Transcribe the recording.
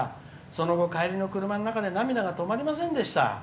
その後、帰りの車の中で涙が止まりませんでした。